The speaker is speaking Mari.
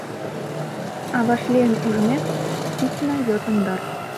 А вашлийын ужмек, чучна йотын дыр.